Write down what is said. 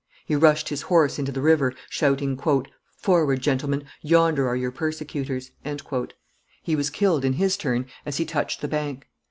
He rushed his horse into the river, shouting, "Forward, gentlemen; yonder are your persecutors." He was killed, in his turn, as he touched the bank.